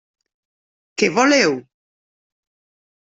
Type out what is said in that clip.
Què voleu?